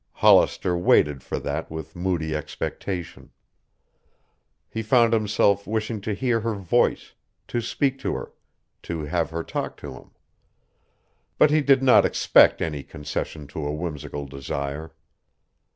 Hollister waited for that with moody expectation. He found himself wishing to hear her voice, to speak to her, to have her talk to him. But he did not expect any such concession to a whimsical desire.